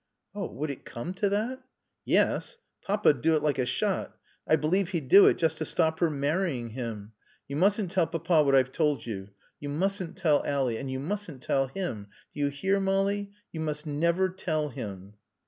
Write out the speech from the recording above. "Oh would it come to that?" "Yes. Papa'd do it like a shot. I believe he'd do it just to stop her marrying him. You mustn't tell Papa what I've told you. You mustn't tell Ally. And you mustn't tell him. Do you hear, Molly? You must never tell him."